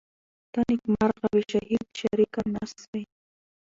ته نیکمرغه وې شهیده شریک نه سوې